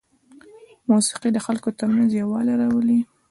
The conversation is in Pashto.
موسیقي د خلکو ترمنځ یووالی راولي.